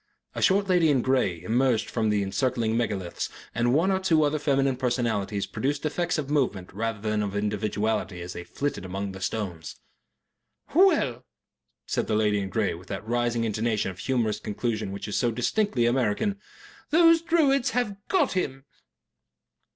A short lady in grey emerged from among the encircling megaliths, and one or two other feminine personalities produced effects of movement rather than of individuality as they flitted among the stones. "Well," said the lady in grey, with that rising intonation of humorous conclusion which is so distinctively American, "those Druids have GOT him."